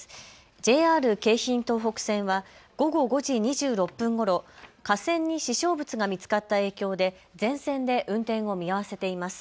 ＪＲ京浜東北線は午後５時２６分ごろ架線に支障物が見つかった影響で全線で運転を見合わせています。